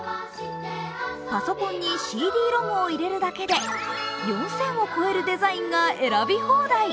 パソコンにＣＤロムを入れるだけで、４０００を超えるデザインが選び放題。